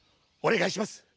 「おねがいします